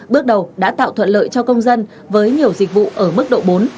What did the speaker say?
bước đầu đã tạo thuận lợi cho công dân với nhiều dịch vụ ở mức độ bốn